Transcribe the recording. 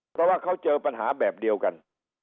เพราะว่าเขาเจอปัญหาแบบเดียวกัน